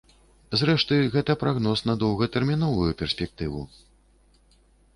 Зрэшты, гэта прагноз на доўгатэрміновую перспектыву.